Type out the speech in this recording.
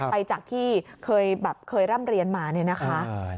ไปจากที่เคยร่ำเรียนมานี่นะคะ